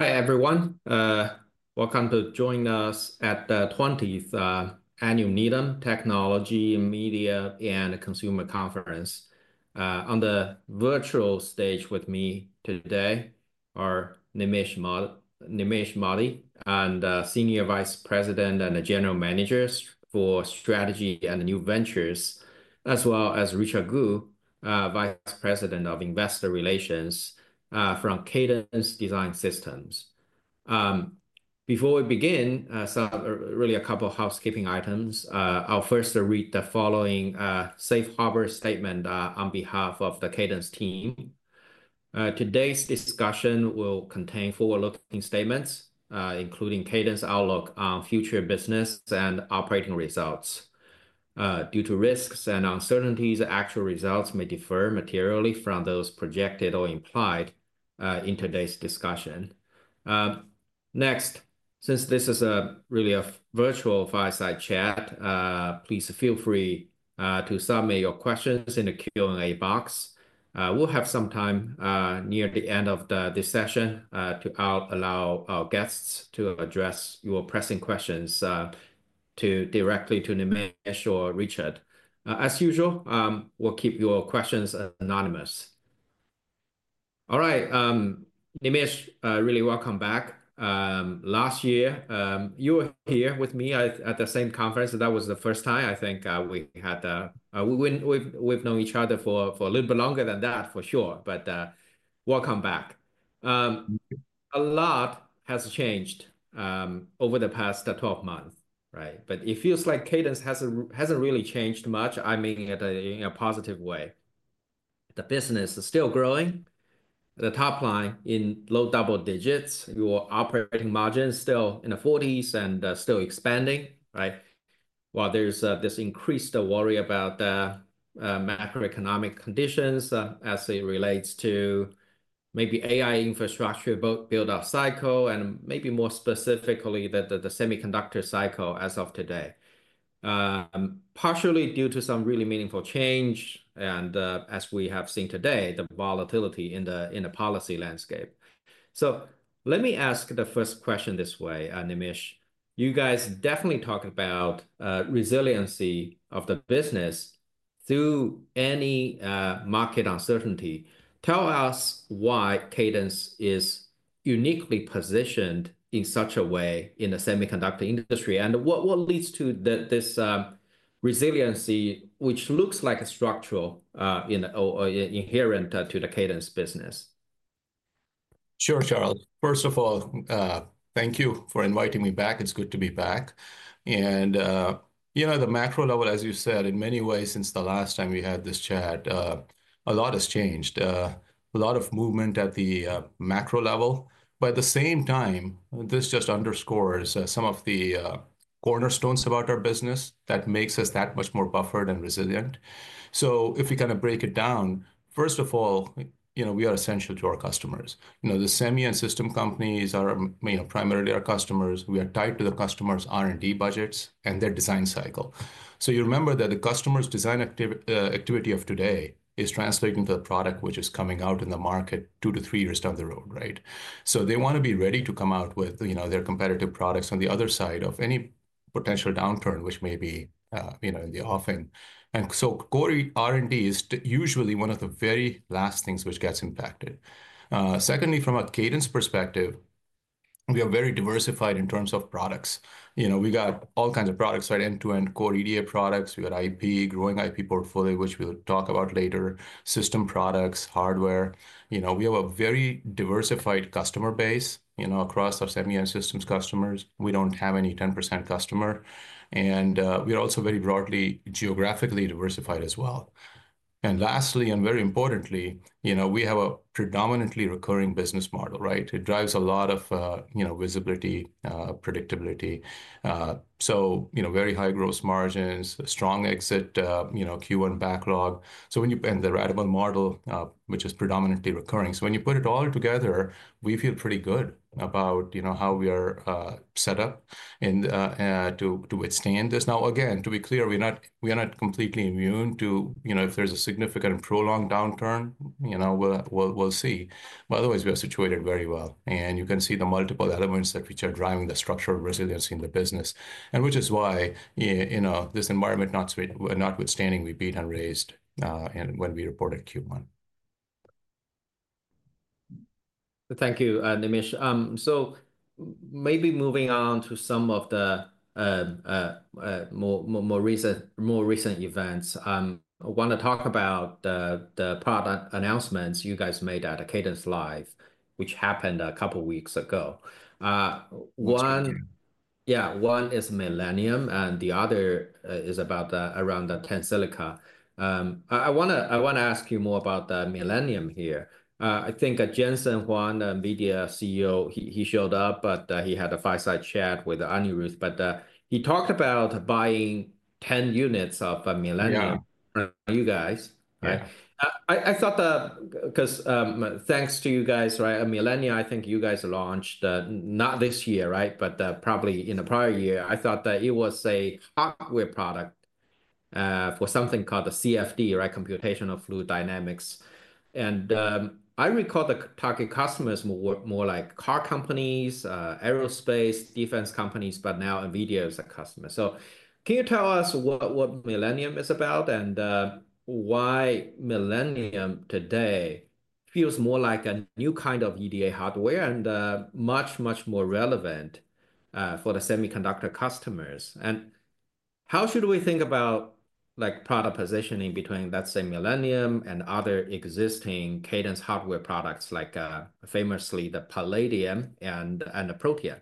Hi, everyone. Welcome to join us at the 20th Annual NEON Technology Media and Consumer conference. On the virtual stage with me today are Nimish Modi, Senior Vice President and the General Manager for Strategy and New Ventures, as well as Richard Gu, Vice President of Investor Relations, from Cadence Design Systems. Before we begin, a couple of housekeeping items. I'll first read the following safe harbor statement on behalf of the Cadence team. Today's discussion will contain forward-looking statements, including Cadence outlook on future business and operating results. Due to risks and uncertainties, actual results may differ materially from those projected or implied in today's discussion. Next, since this is a virtual fireside chat, please feel free to submit your questions in the Q&A box. We'll have some time, near the end of this session, to allow our guests to address your pressing questions, directly to Nimish or Richard. As usual, we'll keep your questions anonymous. All right. Nimish, really welcome back. Last year, you were here with me at the same conference. That was the first time, I think, we had, we've known each other for a little bit longer than that, for sure. But, welcome back. A lot has changed, over the past 12 months, right? It feels like Cadence hasn't really changed much, I mean, in a positive way. The business is still growing. The top line in low double digits, your operating margin is still in the 40s and still expanding, right? While there's this increased worry about the macroeconomic conditions as it relates to maybe AI infrastructure build-up cycle, and maybe more specifically the semiconductor cycle as of today, partially due to some really meaningful change. As we have seen today, the volatility in the policy landscape. Let me ask the first question this way, Nimish. You guys definitely talk about resiliency of the business through any market uncertainty. Tell us why Cadence is uniquely positioned in such a way in the semiconductor industry, and what leads to this resiliency, which looks like a structural inherent to the Cadence business. Sure, Charles. First of all, thank you for inviting me back. It's good to be back. You know, at the macro level, as you said, in many ways, since the last time we had this chat, a lot has changed, a lot of movement at the macro level. At the same time, this just underscores some of the cornerstones about our business that makes us that much more buffered and resilient. If we kind of break it down, first of all, you know, we are essential to our customers. You know, the semi and system companies are primarily our customers. We are tied to the customer's R&D budgets and their design cycle. You remember that the customer's design activity of today is translated into the product which is coming out in the market two to three years down the road, right? They want to be ready to come out with, you know, their competitive products on the other side of any potential downturn, which may be, you know, in the offing. Core R&D is usually one of the very last things which gets impacted. Secondly, from a Cadence perspective, we are very diversified in terms of products. You know, we got all kinds of products, right? End-to-end core EDA products. We got IP, growing IP portfolio, which we'll talk about later, system products, hardware. You know, we have a very diversified customer base, you know, across our semi and systems customers. We do not have any 10% customer. We are also very broadly geographically diversified as well. Lastly, and very importantly, you know, we have a predominantly recurring business model, right? It drives a lot of, you know, visibility, predictability. You know, very high gross margins, strong exit, you know, Q1 backlog. When you and the radical model, which is predominantly recurring, put it all together, we feel pretty good about, you know, how we are set up to withstand this. Now, again, to be clear, we're not completely immune to, you know, if there's a significant and prolonged downturn, you know, we'll see. Otherwise, we are situated very well. You can see the multiple elements that are driving the structural resiliency in the business, which is why, you know, this environment notwithstanding, we beat and raised when we reported Q1. Thank you, Nimish. Maybe moving on to some of the more recent events, I want to talk about the product announcements you guys made at Cadence Live, which happened a couple of weeks ago. One is Millennium, and the other is about the Tensilica. I want to ask you more about the Millennium here. I think Jensen Huang, the NVIDIA CEO, he showed up, and he had a fireside chat with Anirudh. He talked about buying 10 units of Millennium from you guys, right? I thought that because thanks to you guys, Millennium, I think you guys launched not this year, but probably in the prior year. I thought that it was a hardware product for something called CFD, computational fluid dynamics. I recall the target customers were more like car companies, aerospace, defense companies, but now NVIDIA is a customer. Can you tell us what Millennium is about and why Millennium today feels more like a new kind of EDA hardware and much, much more relevant for the semiconductor customers? How should we think about, like, product positioning between, let's say, Millennium and other existing Cadence hardware products, like famously the Palladium and the Protium?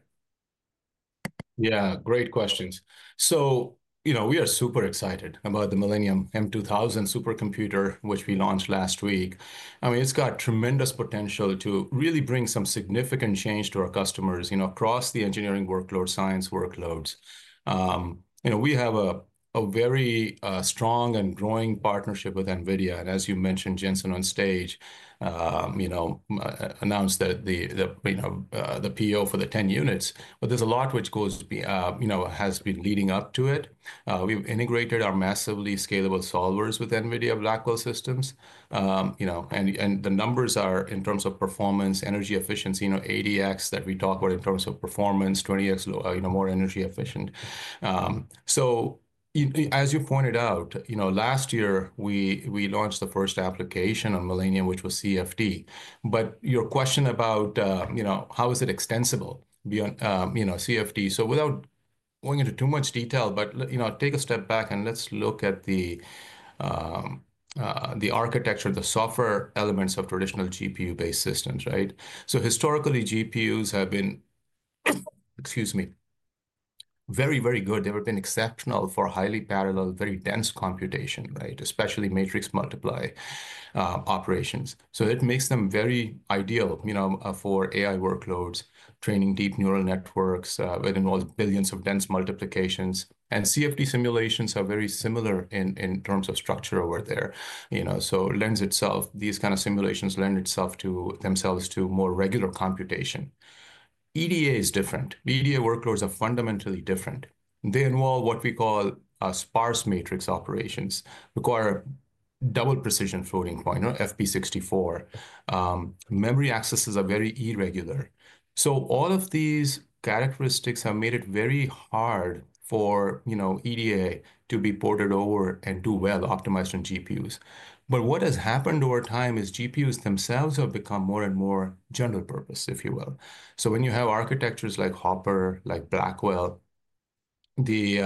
Yeah, great questions. So, you know, we are super excited about the Millennium M2000 supercomputer, which we launched last week. I mean, it's got tremendous potential to really bring some significant change to our customers, you know, across the engineering workload, science workloads. You know, we have a very strong and growing partnership with NVIDIA. And as you mentioned, Jensen on stage, you know, announced that the, you know, the PO for the 10 units, but there's a lot which goes, you know, has been leading up to it. We've integrated our massively scalable solvers with NVIDIA Blackwell Systems. You know, and the numbers are in terms of performance, energy efficiency, you know, 80x that we talk about in terms of performance, 20x, you know, more energy efficient. So, as you pointed out, you know, last year, we launched the first application on Millennium, which was CFD. But your question about, you know, how is it extensible beyond, you know, CFD? Without going into too much detail, but, you know, take a step back and let's look at the architecture, the software elements of traditional GPU-based systems, right? Historically, GPUs have been, excuse me, very, very good. They've been exceptional for highly parallel, very dense computation, right? Especially matrix multiply operations. It makes them very ideal, you know, for AI workloads, training deep neural networks that involve billions of dense multiplications. CFD simulations are very similar in terms of structure over there, you know. Lends itself, these kind of simulations lend themselves to more regular computation. EDA is different. EDA workloads are fundamentally different. They involve what we call sparse matrix operations, require double precision floating point, FP64. Memory accesses are very irregular. All of these characteristics have made it very hard for, you know, EDA to be ported over and do well optimized on GPUs. What has happened over time is GPUs themselves have become more and more general purpose, if you will. When you have architectures like Hopper, like Blackwell, these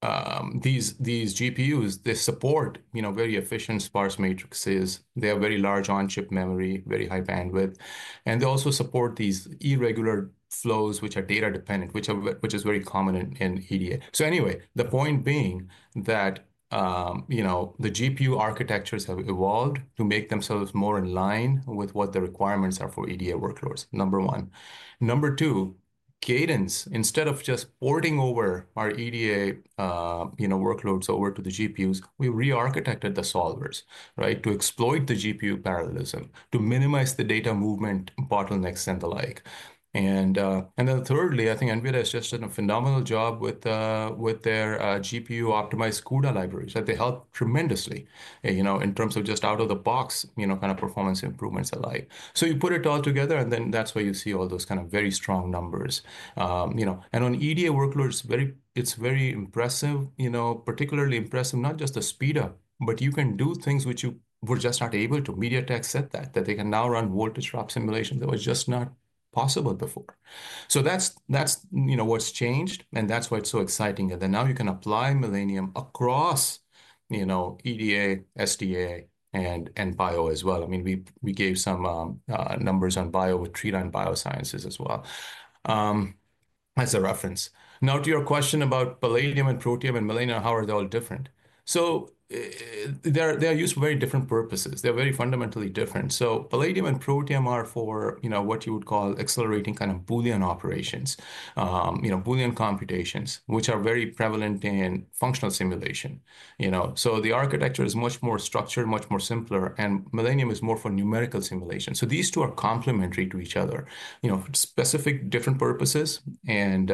GPUs, they support, you know, very efficient sparse matrices. They have very large on-chip memory, very high bandwidth. They also support these irregular flows, which are data dependent, which is very common in EDA. Anyway, the point being that, you know, the GPU architectures have evolved to make themselves more in line with what the requirements are for EDA workloads, number one. Number two, Cadence, instead of just porting over our EDA, you know, workloads over to the GPUs, we re-architected the solvers, right, to exploit the GPU parallelism, to minimize the data movement bottlenecks and the like. Thirdly, I think NVIDIA has just done a phenomenal job with their GPU optimized CUDA libraries that they help tremendously, you know, in terms of just out of the box, you know, kind of performance improvements alike. You put it all together, and then that's where you see all those kind of very strong numbers, you know. On EDA workloads, it's very impressive, you know, particularly impressive, not just the speed up, but you can do things which you were just not able to. MediaTek said that, that they can now run voltage drop simulation that was just not possible before. That's, you know, what's changed, and that's why it's so exciting. Now you can apply Millennium across, you know, EDA, SDA, and Bio as well. I mean, we gave some numbers on Bio with Trinean Biosciences as well as a reference. Now to your question about Palladium and Protium and Millennium, how are they all different? They're used for very different purposes. They're very fundamentally different. Palladium and Protium are for, you know, what you would call accelerating kind of Boolean operations, you know, Boolean computations, which are very prevalent in functional simulation, you know. The architecture is much more structured, much more simple, and Millennium is more for numerical simulation. These two are complementary to each other, you know, specific different purposes, and,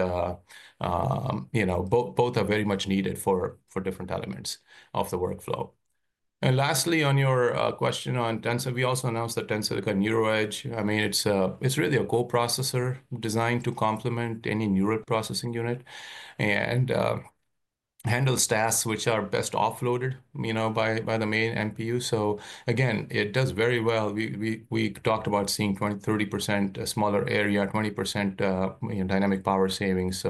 you know, both are very much needed for different elements of the workflow. Lastly, on your question on Tensor, we also announced that Tensor got NeuroEdge. I mean, it's really a co-processor designed to complement any neural processing unit and handle tasks which are best offloaded, you know, by the main NPU. It does very well. We talked about seeing 20-30% smaller area, 20% dynamic power savings.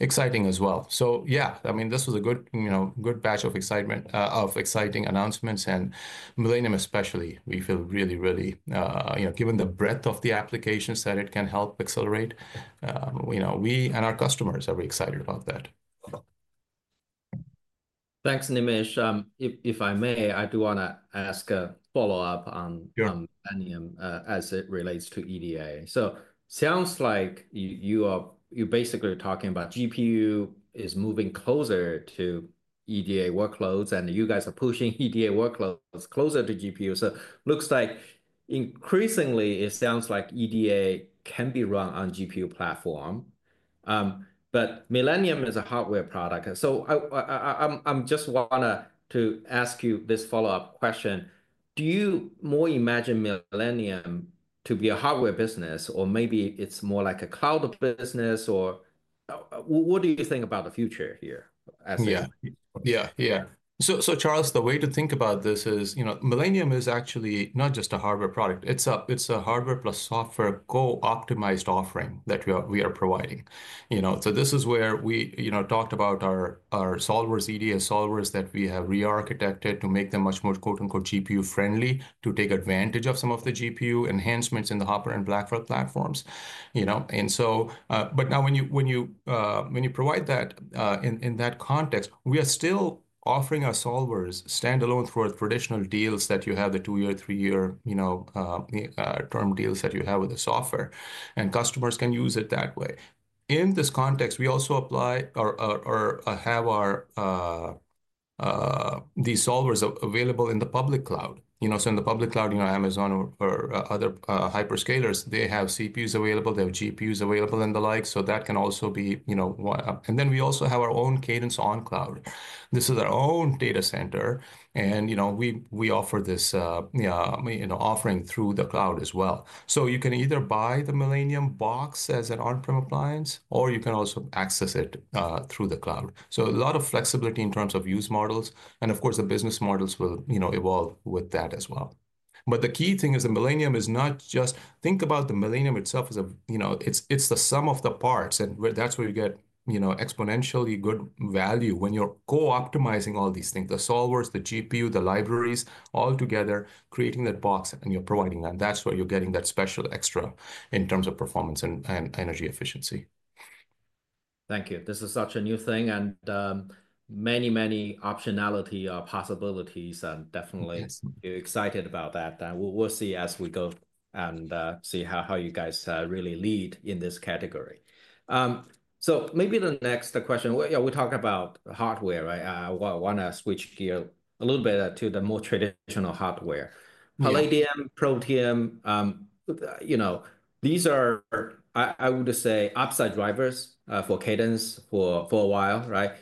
Exciting as well. Yeah, I mean, this was a good, you know, good batch of excitement, of exciting announcements. Millennium, especially, we feel really, really, you know, given the breadth of the applications that it can help accelerate, we and our customers are very excited about that. Thanks, Nimish. If I may, I do want to ask a follow-up on Millennium as it relates to EDA. It sounds like you are basically talking about GPU is moving closer to EDA workloads, and you guys are pushing EDA workloads closer to GPU. It looks like increasingly, it sounds like EDA can be run on GPU platform. Millennium is a hardware product. I just want to ask you this follow-up question. Do you more imagine Millennium to be a hardware business, or maybe it's more like a cloud business, or what do you think about the future here? Yeah, yeah, yeah. Charles, the way to think about this is, you know, Millennium is actually not just a hardware product. It's a hardware plus software co-optimized offering that we are providing. You know, this is where we, you know, talked about our solvers, EDA solvers that we have re-architected to make them much more, quote unquote, GPU friendly to take advantage of some of the GPU enhancements in the Hopper and Blackwell platforms, you know. Now, when you provide that in that context, we are still offering our solvers standalone for traditional deals that you have, the two-year, three-year, you know, term deals that you have with the software, and customers can use it that way. In this context, we also apply or have these solvers available in the public cloud, you know. In the public cloud, you know, Amazon or other hyperscalers, they have CPUs available, they have GPUs available and the like. That can also be, you know, and then we also have our own Cadence on cloud. This is our own data center. You know, we offer this, you know, offering through the cloud as well. You can either buy the Millennium box as an on-prem appliance, or you can also access it through the cloud. A lot of flexibility in terms of use models. Of course, the business models will, you know, evolve with that as well. The key thing is the Millennium is not just think about the Millennium itself as a, you know, it's the sum of the parts. That's where you get, you know, exponentially good value when you're co-optimizing all these things, the solvers, the GPU, the libraries, all together creating that box and you're providing that. That's where you're getting that special extra in terms of performance and energy efficiency. Thank you. This is such a new thing and many, many optionality possibilities. Definitely excited about that. We'll see as we go and see how you guys really lead in this category. Maybe the next question, we talked about hardware, right? I want to switch ggearsa little bit to the more traditional hardware. Palladium, Protium, you know, these are, I would say, upside drivers for Cadence for a while, right?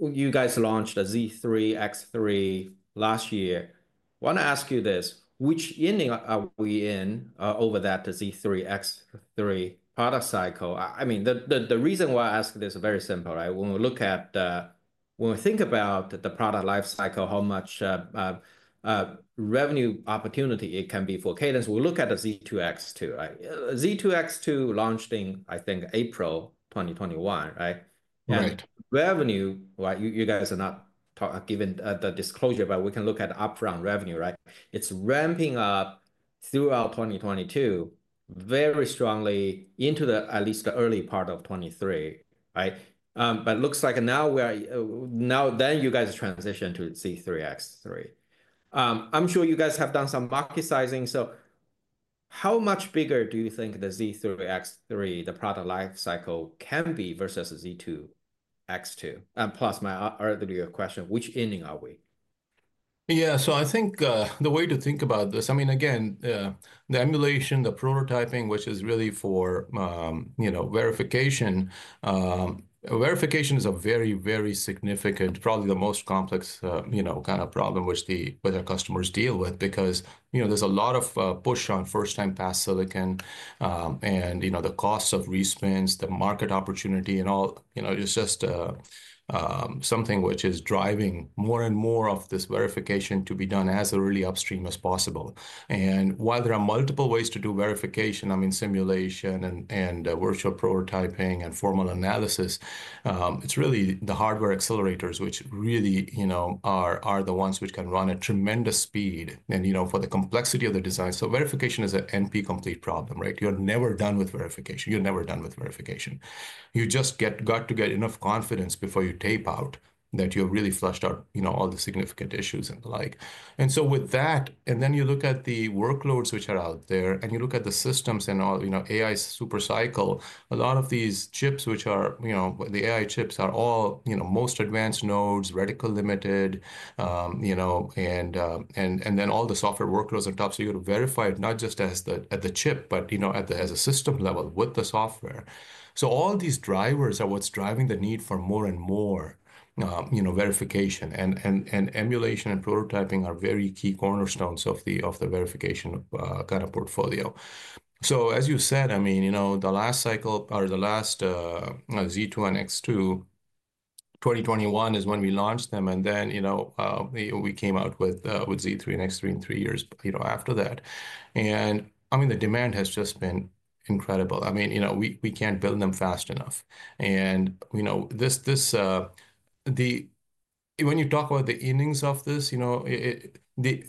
You guys launched a Z3, X3 last year. I want to ask you this, which ending are we in over that Z3, X3 product cycle? I mean, the reason why I ask this is very simple, right? When we look at, when we think about the product life cycle, how much revenue opportunity it can be for Cadence, we look at the Z2, X2, right? Z2, X2 launched in, I think, April 2021, right? Right. Revenue, right, you guys are not giving the disclosure, but we can look at upfront revenue, right? It is ramping up throughout 2022 very strongly into at least the early part of 2023, right? It looks like now you guys transition to Z3, X3. I am sure you guys have done some market sizing. How much bigger do you think the Z3, X3 product life cycle can be versus Z2, X2? Plus my earlier question, which ending are we? Yeah, so I think the way to think about this, I mean, again, the emulation, the prototyping, which is really for, you know, verification. Verification is a very, very significant, probably the most complex, you know, kind of problem which the customers deal with because, you know, there's a lot of push on first-time pass silicon and, you know, the cost of respins, the market opportunity and all, you know, it's just something which is driving more and more of this verification to be done as early upstream as possible. While there are multiple ways to do verification, I mean, simulation and virtual prototyping and formal analysis, it's really the hardware accelerators which really, you know, are the ones which can run at tremendous speed. You know, for the complexity of the design. Verification is an NP-complete problem, right? You're never done with verification. You're never done with verification. You just got to get enough confidence before you tape out that you've really flushed out, you know, all the significant issues and the like. With that, you look at the workloads which are out there and you look at the systems and all, you know, AI super cycle, a lot of these chips which are, you know, the AI chips are all, you know, most advanced nodes, reticle limited, you know, and then all the software workloads on top. You're verified not just at the chip, but, you know, at the system level with the software. All these drivers are what's driving the need for more and more, you know, verification and emulation and prototyping are very key cornerstones of the verification kind of portfolio. As you said, I mean, you know, the last cycle or the last Z2 and X2, 2021 is when we launched them. And then, you know, we came out with Z3 and X3 in three years, you know, after that. I mean, the demand has just been incredible. I mean, you know, we can't build them fast enough. When you talk about the innings of this, you know, the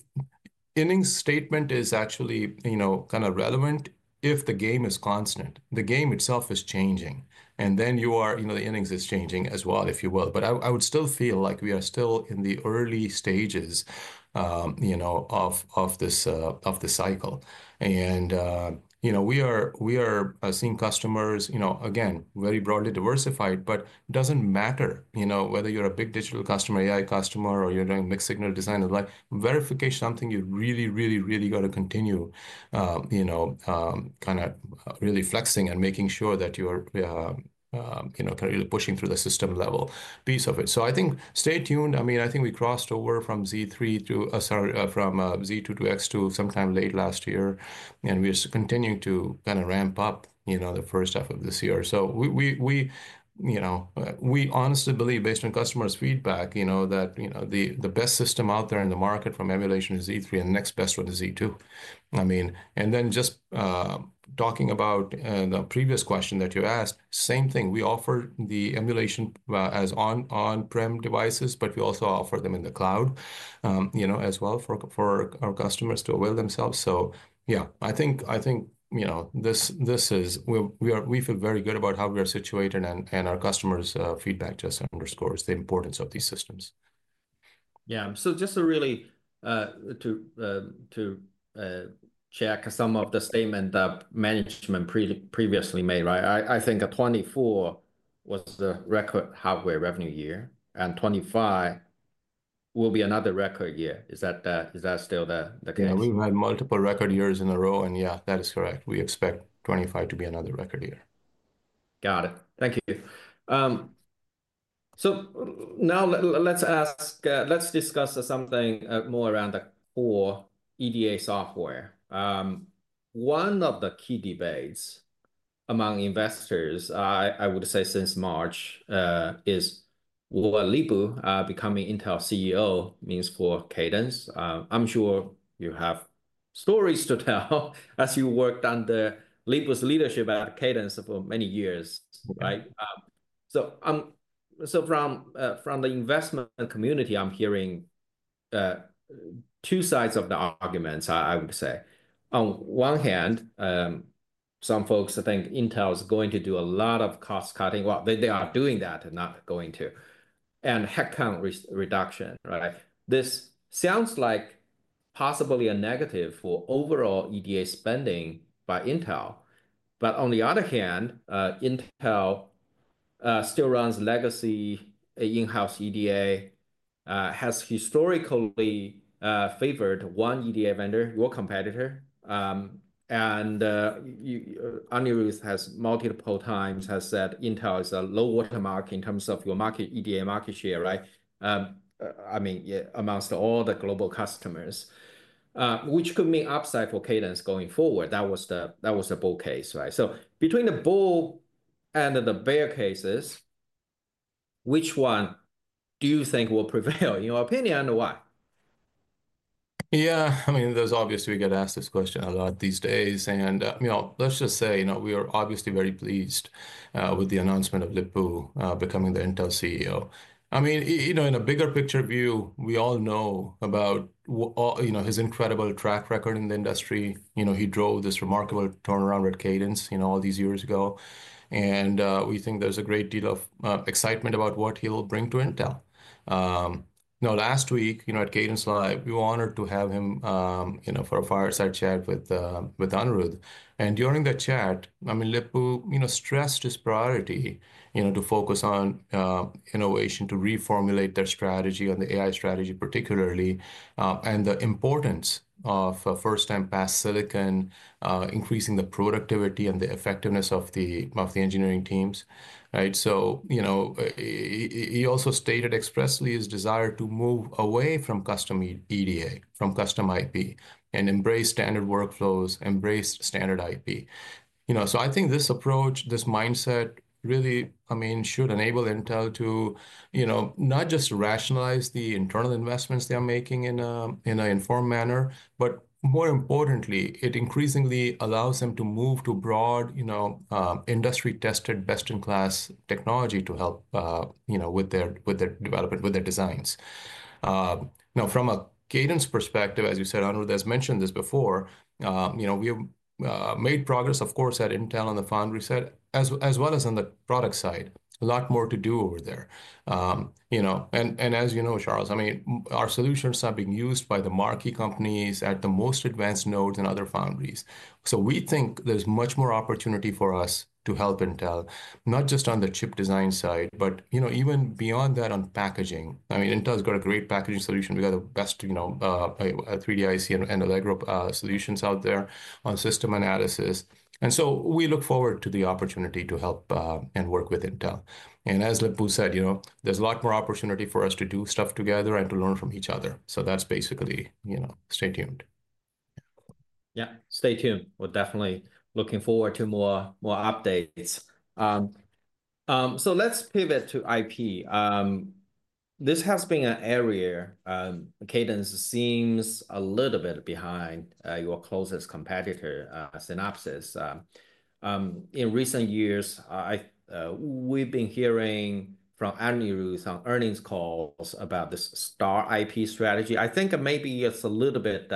innings statement is actually, you know, kind of relevant if the game is constant. The game itself is changing. You are, you know, the innings is changing as well, if you will. I would still feel like we are still in the early stages, you know, of this cycle. You know, we are seeing customers, you know, again, very broadly diversified, but it doesn't matter, you know, whether you're a big digital customer, AI customer, or you're doing mixed signal design and the like. Verification is something you really, really, really got to continue, you know, kind of really flexing and making sure that you're, you know, kind of pushing through the system level piece of it. I think stay tuned. I mean, I think we crossed over from Z3 to, sorry, from Z2 to X2 sometime late last year. We're continuing to kind of ramp up, you know, the first half of this year. We honestly believe based on customers' feedback, you know, that, you know, the best system out there in the market from emulation is Z3 and the next best one is Z2. I mean, and then just talking about the previous question that you asked, same thing. We offer the emulation as on-prem devices, but we also offer them in the cloud, you know, as well for our customers to avail themselves. Yeah, I think, I think, you know, this is, we feel very good about how we are situated and our customers' feedback just underscores the importance of these systems. Yeah. So just to really check some of the statement that management previously made, right? I think 2024 was the record hardware revenue year and 2025 will be another record year. Is that still the case? Yeah, we've had multiple record years in a row and yeah, that is correct. We expect 2025 to be another record year. Got it. Thank you. Now let's ask, let's discuss something more around the core EDA software. One of the key debates among investors, I would say since March, is what Lip-Bu becoming Intel CEO means for Cadence. I'm sure you have stories to tell as you worked under Lip-Bu's leadership at Cadence for many years, right? From the investment community, I'm hearing two sides of the arguments, I would say. On one hand, some folks think Intel is going to do a lot of cost cutting. They are doing that and not going to. And headcount reduction, right? This sounds like possibly a negative for overall EDA spending by Intel. On the other hand, Intel still runs legacy in-house EDA, has historically favored one EDA vendor, your competitor. Anirudh has multiple times said Intel is a low watermark in terms of your EDA market share, right? I mean, amongst all the global customers, which could mean upside for Cadence going forward. That was the bull case, right? Between the bull and the bear cases, which one do you think will prevail? In your opinion, why? Yeah, I mean, there's obviously we get asked this question a lot these days. And, you know, let's just say, you know, we are obviously very pleased with the announcement of Lip-Bu becoming the Intel CEO. I mean, you know, in a bigger picture view, we all know about, you know, his incredible track record in the industry. You know, he drove this remarkable turnaround with Cadence, you know, all these years ago. And we think there's a great deal of excitement about what he'll bring to Intel. Now, last week, you know, at Cadence Live, we were honored to have him, you know, for a fireside chat with Anirudh. During the chat, I mean, Lip-Bu, you know, stressed his priority, you know, to focus on innovation, to reformulate their strategy on the AI strategy particularly, and the importance of first-time pass silicon, increasing the productivity and the effectiveness of the engineering teams, right? You know, he also stated expressly his desire to move away from custom EDA, from custom IP, and embrace standard workflows, embrace standard IP. You know, I think this approach, this mindset really, I mean, should enable Intel to, you know, not just rationalize the internal investments they are making in an informed manner, but more importantly, it increasingly allows them to move to broad, you know, industry-tested best-in-class technology to help, you know, with their development, with their designs. Now, from a Cadence perspective, as you said, Anirudh has mentioned this before, you know, we have made progress, of course, at Intel on the foundry side, as well as on the product side. A lot more to do over there, you know. You know, Charles, I mean, our solutions are being used by the marquee companies at the most advanced nodes and other foundries. We think there is much more opportunity for us to help Intel, not just on the chip design side, but, you know, even beyond that on packaging. I mean, Intel's got a great packaging solution. We have the best, you know, 3D IC and Allegro solutions out there on system analysis. We look forward to the opportunity to help and work with Intel. As Lip-Bu said, you know, there's a lot more opportunity for us to do stuff together and to learn from each other. That's basically, you know, stay tuned. Yeah, stay tuned. We're definitely looking forward to more updates. Let's pivot to IP. This has been an area Cadence seems a little bit behind your closest competitor, Synopsys. In recent years, we've been hearing from Anirudh on earnings calls about this Star IP strategy. I think maybe it's a little bit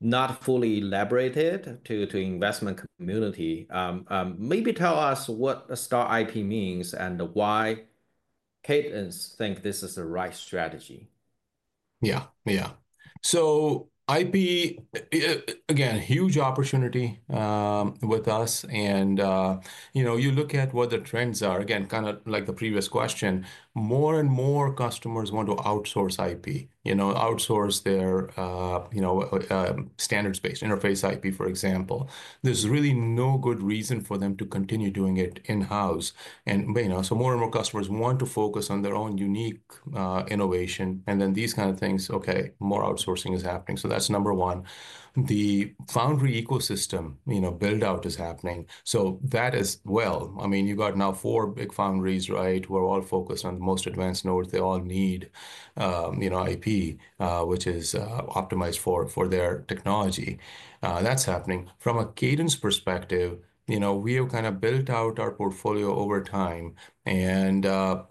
not fully elaborated to the investment community. Maybe tell us what a Star IP means and why Cadence think this is the right strategy. Yeah, yeah. IP, again, huge opportunity with us. You know, you look at what the trends are, again, kind of like the previous question, more and more customers want to outsource IP, you know, outsource their, you know, standards-based interface IP, for example. There is really no good reason for them to continue doing it in-house. You know, more and more customers want to focus on their own unique innovation. These kind of things, okay, more outsourcing is happening. That is number one. The foundry ecosystem, you know, build-out is happening. That as well. I mean, you got now four big foundries, right? We are all focused on the most advanced nodes. They all need, you know, IP, which is optimized for their technology. That is happening. From a Cadence perspective, you know, we have kind of built out our portfolio over time. You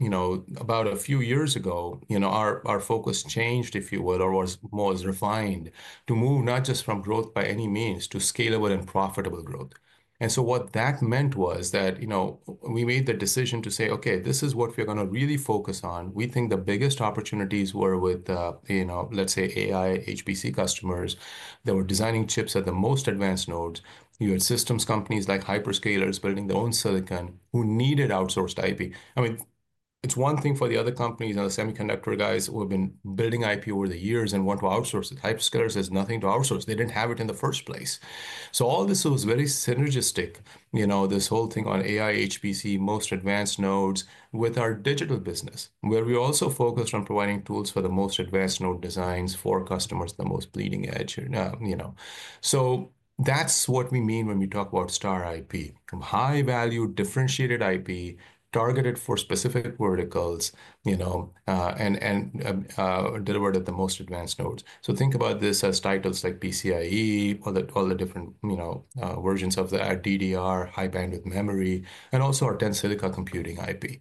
know, about a few years ago, you know, our focus changed, if you will, or was more refined to move not just from growth by any means to scalable and profitable growth. What that meant was that, you know, we made the decision to say, okay, this is what we're going to really focus on. We think the biggest opportunities were with, you know, let's say AI HPC customers that were designing chips at the most advanced nodes. You had systems companies like hyperscalers building their own silicon who needed outsourced IP. I mean, it's one thing for the other companies and the semiconductor guys who have been building IP over the years and want to outsource it. Hyperscalers have nothing to outsource. They didn't have it in the first place. All this was very synergistic, you know, this whole thing on AI, HBM, most advanced nodes with our digital business, where we also focused on providing tools for the most advanced node designs for customers, the most bleeding edge, you know. That is what we mean when we talk about Star IP, high-value differentiated IP targeted for specific verticals, you know, and delivered at the most advanced nodes. Think about this as titles like PCIe, all the different, you know, versions of the DDR, high bandwidth memory, and also our Tensilica computing IP.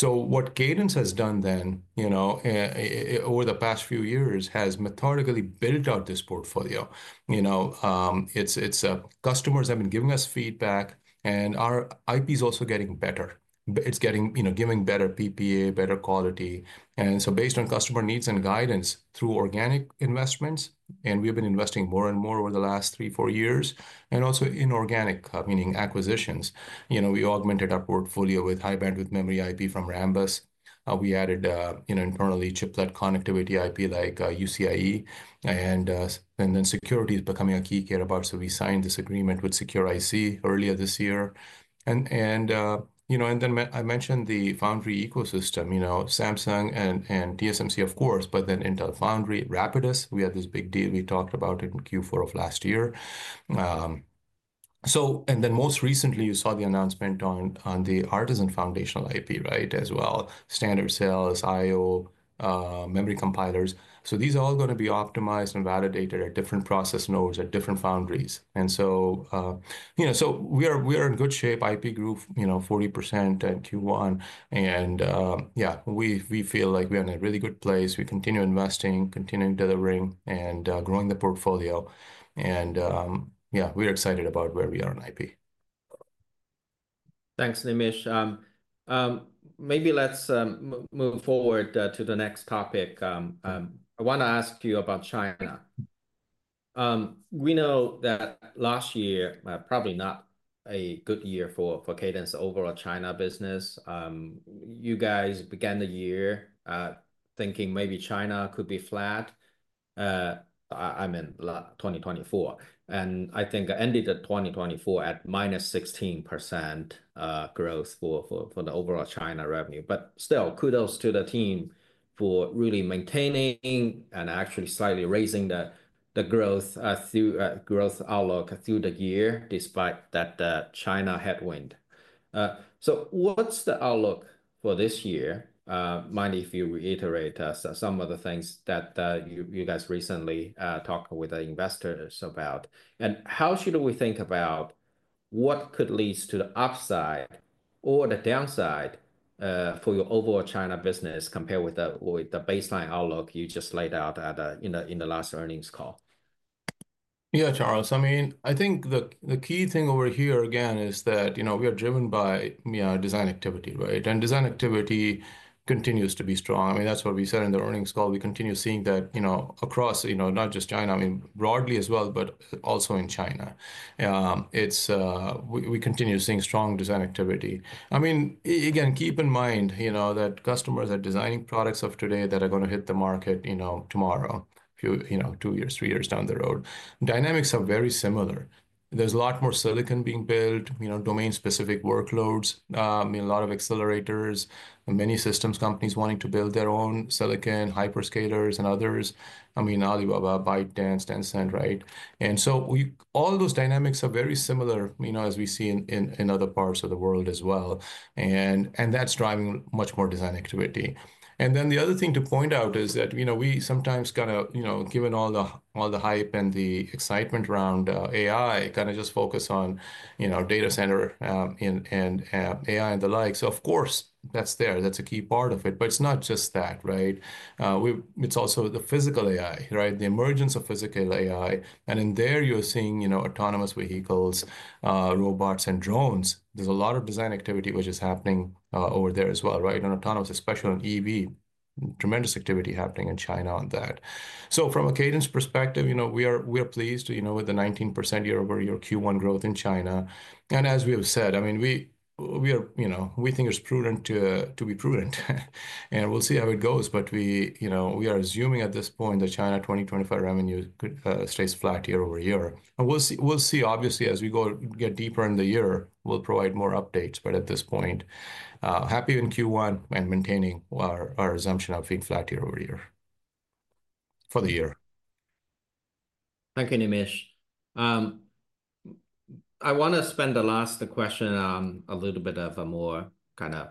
What Cadence has done then, you know, over the past few years has methodically built out this portfolio. You know, customers have been giving us feedback and our IP is also getting better. It is getting, you know, giving better PPA, better quality. Based on customer needs and guidance through organic investments, and we've been investing more and more over the last three, four years, and also inorganic, meaning acquisitions. You know, we augmented our portfolio with high bandwidth memory IP from RAMBUS. We added, you know, internally chiplet connectivity IP like UCIe. And then security is becoming a key care about. We signed this agreement with Secure-IC earlier this year. You know, and then I mentioned the foundry ecosystem, you know, Samsung and TSMC, of course, but then Intel Foundry, Rapidus. We had this big deal. We talked about it in Q4 of last year. Most recently, you saw the announcement on the Artisan Foundational IP, right, as well. Standard cells, IO, memory compilers. These are all going to be optimized and validated at different process nodes at different foundries. You know, we are in good shape, IP group, you know, 40% at Q1. Yeah, we feel like we're in a really good place. We continue investing, continuing delivering and growing the portfolio. Yeah, we're excited about where we are on IP. Thanks, Nimish. Maybe let's move forward to the next topic. I want to ask you about China. We know that last year, probably not a good year for Cadence overall China business. You guys began the year thinking maybe China could be flat, I mean, 2024. And I think ended the 2024 at minus 16% growth for the overall China revenue. But still, kudos to the team for really maintaining and actually slightly raising the growth outlook through the year despite that China headwind. What's the outlook for this year? Mind if you reiterate some of the things that you guys recently talked with the investors about? How should we think about what could lead to the upside or the downside for your overall China business compared with the baseline outlook you just laid out at the last earnings call? Yeah, Charles. I mean, I think the key thing over here again is that, you know, we are driven by design activity, right? And design activity continues to be strong. I mean, that's what we said in the earnings call. We continue seeing that, you know, across, you know, not just China, I mean, broadly as well, but also in China. We continue seeing strong design activity. I mean, again, keep in mind, you know, that customers are designing products of today that are going to hit the market, you know, tomorrow, you know, two years, three years down the road. Dynamics are very similar. There's a lot more silicon being built, you know, domain-specific workloads. I mean, a lot of accelerators, many systems companies wanting to build their own silicon, hyperscalers and others. I mean, Alibaba, ByteDance, Tencent, right? All those dynamics are very similar, you know, as we see in other parts of the world as well. That is driving much more design activity. The other thing to point out is that, you know, we sometimes kind of, you know, given all the hype and the excitement around AI, kind of just focus on, you know, data center and AI and the like. Of course, that is there. That is a key part of it. It is not just that, right? It is also the physical AI, right? The emergence of physical AI. In there, you are seeing, you know, autonomous vehicles, robots, and drones. There is a lot of design activity, which is happening over there as well, right? Autonomous, especially on EV, tremendous activity happening in China on that. From a Cadence perspective, you know, we are pleased, you know, with the 19% year over year Q1 growth in China. And as we have said, I mean, we are, you know, we think it's prudent to be prudent. We'll see how it goes. We, you know, we are assuming at this point that China 2025 revenue stays flat year over year. We'll see, obviously, as we go get deeper in the year, we'll provide more updates. At this point, happy in Q1 and maintaining our assumption of being flat year over year for the year. Thank you, Nimish. I want to spend the last question on a little bit of a more kind of,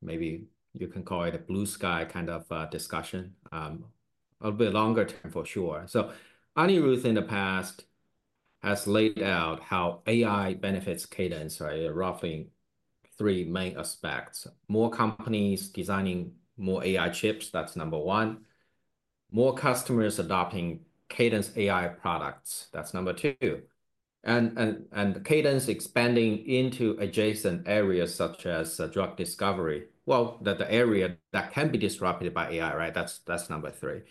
maybe you can call it a blue sky kind of discussion, a little bit longer term for sure. Anirudh in the past has laid out how AI benefits Cadence, right? Roughly three main aspects. More companies designing more AI chips, that's number one. More customers adopting Cadence AI products, that's number two. And Cadence expanding into adjacent areas such as drug discovery, the area that can be disrupted by AI, right? That's number three.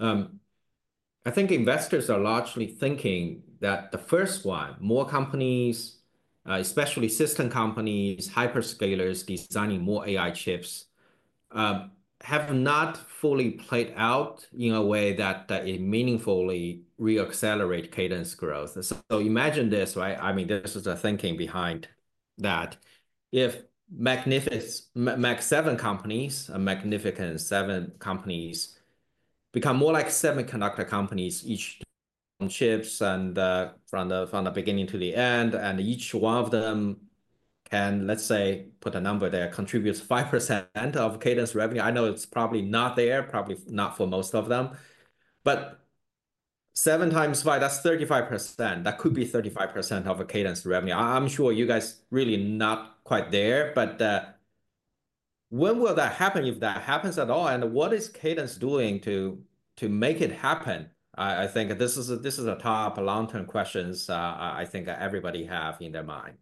I think investors are largely thinking that the first one, more companies, especially system companies, hyperscalers designing more AI chips have not fully played out in a way that meaningfully re-accelerate Cadence growth. Imagine this, right? I mean, this is the thinking behind that. If Magnificent Mag Seven companies, Magnificent Seven companies become more like semiconductor companies each. From chips and from the beginning to the end. Each one of them can, let's say, put a number there, contributes 5% of Cadence revenue. I know it's probably not there, probably not for most of them. Seven times five, that's 35%. That could be 35% of Cadence revenue. I'm sure you guys really not quite there. When will that happen if that happens at all? What is Cadence doing to make it happen? I think this is a top long-term question I think everybody have in their mind.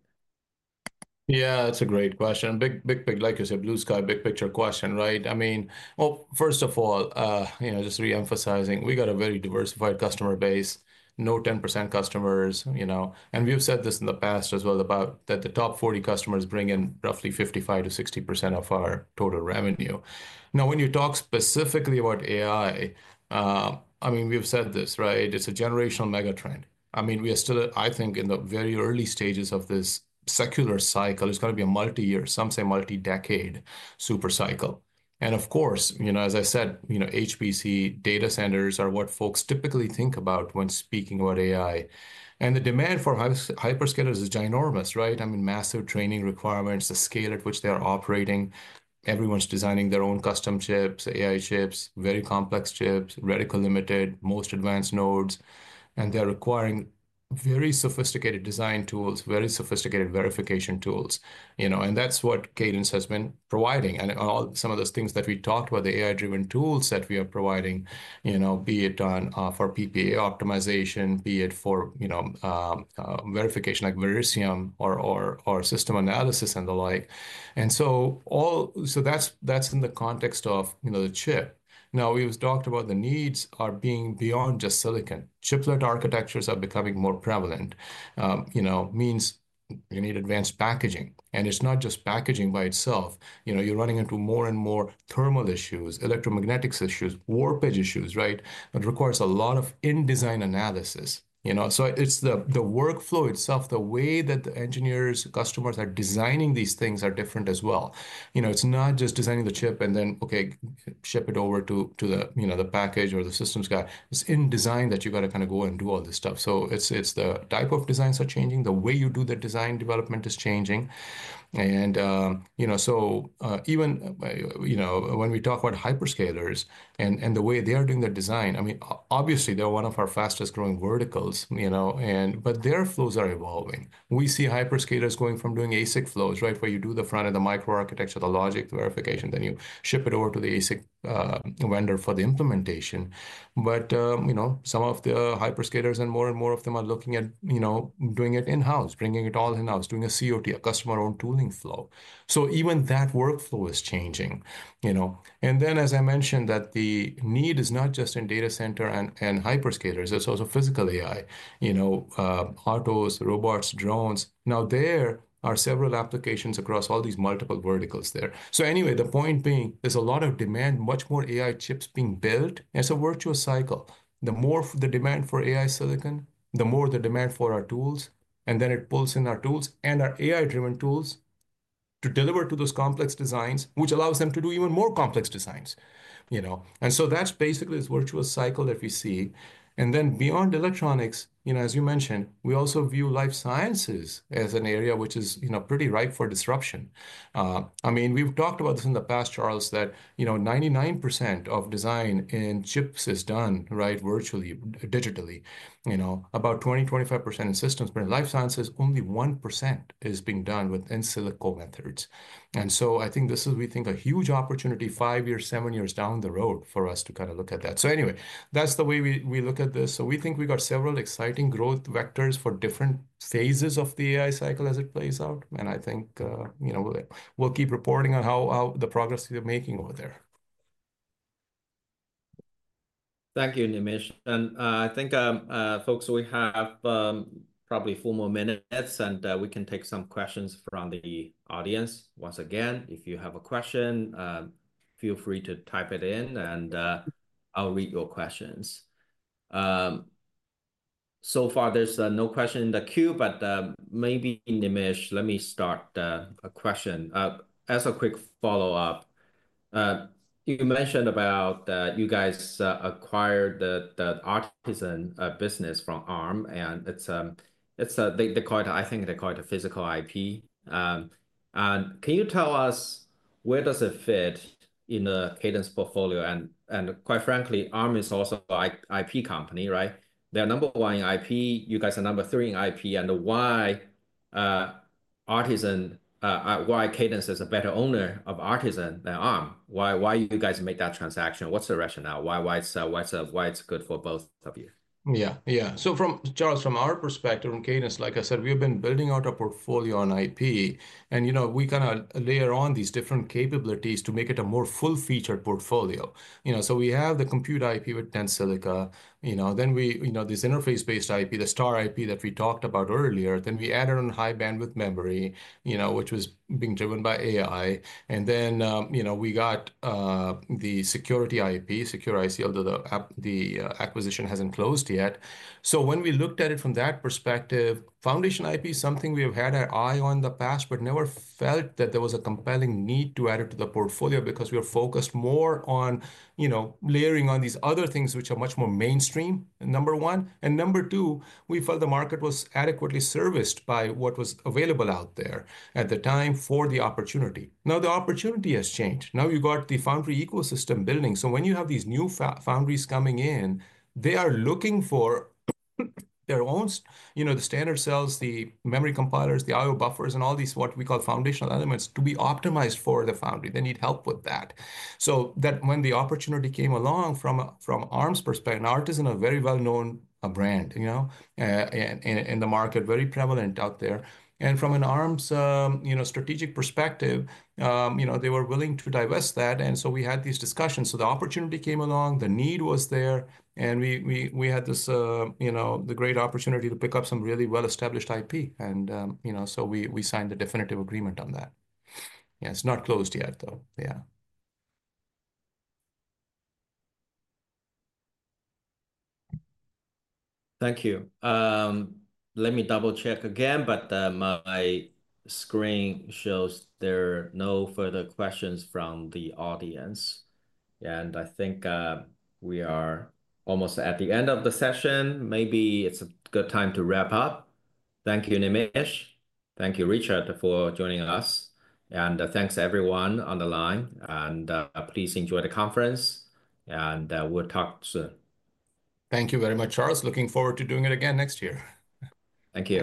Yeah, that's a great question. Big, big, big, like you said, blue sky, big picture question, right? I mean, first of all, you know, just reemphasizing, we got a very diversified customer base, no 10% customers, you know. And we've said this in the past as well about that the top 40 customers bring in roughly 55%-60% of our total revenue. Now, when you talk specifically about AI, I mean, we've said this, right? It's a generational megatrend. I mean, we are still, I think, in the very early stages of this secular cycle. It's going to be a multi-year, some say multi-decade super cycle. Of course, you know, as I said, you know, HPC data centers are what folks typically think about when speaking about AI. The demand for hyperscalers is ginormous, right? I mean, massive training requirements, the scale at which they are operating. Everyone's designing their own custom chips, AI chips, very complex chips, reticle limited, most advanced nodes. And they're requiring very sophisticated design tools, very sophisticated verification tools, you know. And that's what Cadence has been providing. And some of those things that we talked about, the AI-driven tools that we are providing, you know, be it for PPA optimization, be it for, you know, verification like Verisium or system analysis and the like. And so all, so that's in the context of, you know, the chip. Now, we've talked about the needs are being beyond just silicon. Chiplet architectures are becoming more prevalent. You know, means you need advanced packaging. And it's not just packaging by itself. You know, you're running into more and more thermal issues, electromagnetic issues, warpage issues, right? It requires a lot of in-design analysis. You know, so it's the workflow itself, the way that the engineers, customers are designing these things are different as well. You know, it's not just designing the chip and then, okay, ship it over to the, you know, the package or the systems guy. It's in design that you got to kind of go and do all this stuff. The type of designs are changing. The way you do the design development is changing. You know, so even, you know, when we talk about hyperscalers and the way they are doing the design, I mean, obviously they're one of our fastest growing verticals, you know, and but their flows are evolving. We see Hyperscalers going from doing ASIC flows, right, where you do the front of the micro architecture, the logic verification, then you ship it over to the ASIC vendor for the implementation. You know, some of the Hyperscalers and more and more of them are looking at, you know, doing it in-house, bringing it all in-house, doing a COT, a customer-owned tooling flow. Even that workflow is changing, you know. As I mentioned, the need is not just in data center and Hyperscalers. It's also physical AI, you know, autos, robots, drones. There are several applications across all these multiple verticals there. Anyway, the point being, there's a lot of demand, much more AI chips being built. It's a virtual cycle. The more the demand for AI silicon, the more the demand for our tools. It pulls in our tools and our AI-driven tools to deliver to those complex designs, which allows them to do even more complex designs, you know. That is basically this virtual cycle that we see. Beyond electronics, you know, as you mentioned, we also view life sciences as an area, which is, you know, pretty ripe for disruption. I mean, we have talked about this in the past, Charles, that, you know, 99% of design in chips is done, right, virtually, digitally, you know, about 20-25% in systems. In life sciences, only 1% is being done with in-silico methods. I think this is, we think, a huge opportunity five years, seven years down the road for us to kind of look at that. Anyway, that is the way we look at this. We think we got several exciting growth vectors for different phases of the AI cycle as it plays out. I think, you know, we'll keep reporting on how the progress we're making over there. Thank you, Nimish. I think, folks, we have probably four more minutes, and we can take some questions from the audience. Once again, if you have a question, feel free to type it in, and I'll read your questions. So far, there's no question in the queue, but maybe, Nimish, let me start a question. As a quick follow-up, you mentioned about you guys acquired the Artisan business from Arm, and it's a, they call it, I think they call it a physical IP. Can you tell us where does it fit in the Cadence portfolio? Quite frankly, Arm is also an IP company, right? They're number one in IP. You guys are number three in IP. Why Artisan, why Cadence is a better owner of Artisan than Arm? Why do you guys make that transaction? What's the rationale? Why it's good for both of you? Yeah, yeah. From our perspective, from Cadence, like I said, we've been building out a portfolio on IP. You know, we kind of layer on these different capabilities to make it a more full-featured portfolio. You know, we have the compute IP with Tensilica. You know, this interface-based IP, the Star IP that we talked about earlier. We added on high bandwidth memory, you know, which was being driven by AI. Then we got the security IP, Secure-IC, although the acquisition hasn't closed yet. When we looked at it from that perspective, foundation IP is something we have had our eye on in the past, but never felt that there was a compelling need to add it to the portfolio because we were focused more on, you know, layering on these other things which are much more mainstream, number one. Number two, we felt the market was adequately serviced by what was available out there at the time for the opportunity. Now, the opportunity has changed. Now you have the foundry ecosystem building. When you have these new foundries coming in, they are looking for their own, you know, the standard cells, the memory compilers, the IO buffers, and all these, what we call foundational elements to be optimized for the foundry. They need help with that. When the opportunity came along from Arm's perspective, and Artisan is a very well-known brand, you know, in the market, very prevalent out there. From an Arm's, you know, strategic perspective, you know, they were willing to divest that. We had these discussions. The opportunity came along, the need was there, and we had this, you know, the great opportunity to pick up some really well-established IP. You know, we signed a definitive agreement on that. Yeah, it's not closed yet, though. Yeah. Thank you. Let me double-check again, but my screen shows there are no further questions from the audience. I think we are almost at the end of the session. Maybe it's a good time to wrap up. Thank you, Nimish. Thank you, Richard, for joining us. Thanks everyone on the line. Please enjoy the conference. We'll talk soon. Thank you very much, Charles. Looking forward to doing it again next year. Thank you.